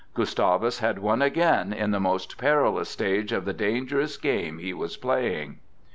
Gustavus had won again in the most perilous stage of the dangerous game he was playing.